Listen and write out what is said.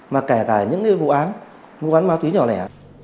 mà kể cả những vụ án vụ án ma túy nhỏ lẻ